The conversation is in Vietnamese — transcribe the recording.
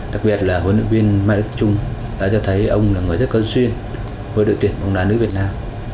đặc biệt là huấn luyện viên mai đức trung đã cho thấy ông là người rất có duyên với đội tuyển bóng đá nữ việt nam